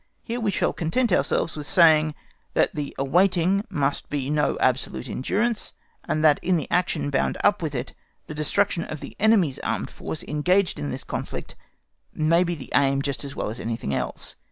Here we shall content ourselves with saying that the awaiting must be no absolute endurance, and that in the action bound up with it the destruction of the enemy's armed force engaged in this conflict may be the aim just as well as anything else.